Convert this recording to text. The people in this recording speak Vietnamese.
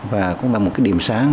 và cũng là một điểm sáng